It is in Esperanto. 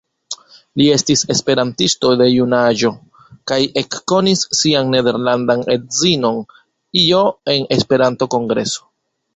Li estis esperantisto de junaĝo kaj ekkonis sian nederlandan edzinon Jo en Esperanto-kongreso.